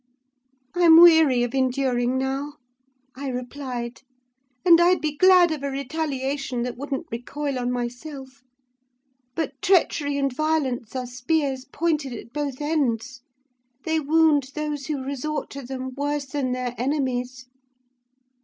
"'I'm weary of enduring now,' I replied; 'and I'd be glad of a retaliation that wouldn't recoil on myself; but treachery and violence are spears pointed at both ends; they wound those who resort to them worse than their enemies.